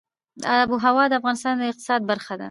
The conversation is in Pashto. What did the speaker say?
آب وهوا د افغانستان د اقتصاد برخه ده.